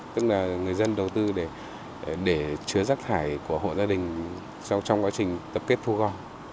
tức là người dân đầu tư để chứa rác thải của hộ gia đình trong quá trình tập kết thu gom